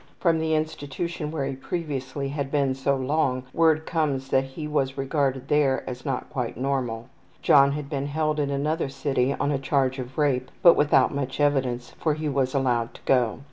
From the institution where he previously had been so long, word comes that he was regarded there as not quite normal. John had been held in another city on a charge of rape, but without much evidence, for he was allowed to go.